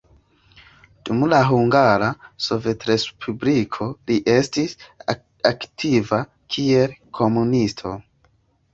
Dum la Hungara Sovetrespubliko li estis aktiva kiel komunisto.